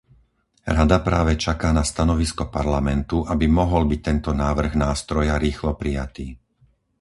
Rada práve čaká na stanovisko Parlamentu, aby mohol byť tento návrh nástroja rýchlo prijatý.